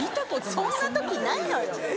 そんな時ないのよ。